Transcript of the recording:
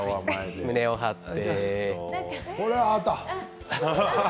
胸を張って。